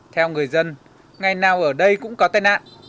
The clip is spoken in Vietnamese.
theo người dân ngày nào ở đây cũng có tai nạn